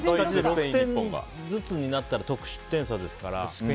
６点ずつになったら得失点差ですから。